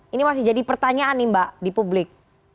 ini masih jadi pertanyaan nih mbak di publik